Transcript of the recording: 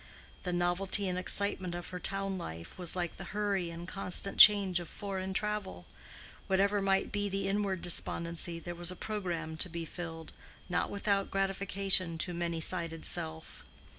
The novelty and excitement of her town life was like the hurry and constant change of foreign travel; whatever might be the inward despondency, there was a programme to be fulfilled, not without gratification to many sided self.